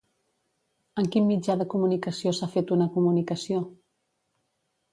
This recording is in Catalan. En quin mitjà de comunicació s'ha fet una comunicació?